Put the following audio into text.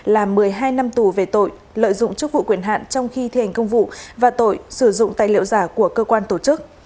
là một mươi hai năm tù về tội lợi dụng chức vụ quyền hạn trong khi thi hành công vụ và tội sử dụng tài liệu giả của cơ quan tổ chức